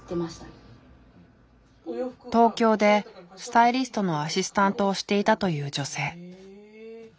東京でスタイリストのアシスタントをしていたという女性。